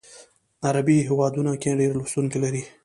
عربي هیوادونو کې ډیر لوستونکي لري.